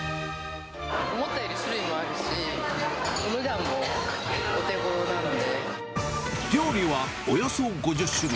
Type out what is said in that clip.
思ったより種類があるし、料理はおよそ５０種類。